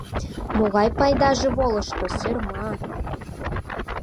Могай пайдаже волышто, сӧрма!